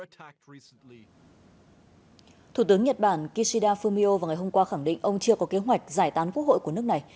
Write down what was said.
thủ tướng nhật bản kishida fumio vào ngày hôm qua khẳng định ông chưa có kế hoạch giải tán quốc hội của nước này